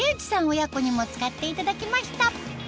親子にも使っていただきました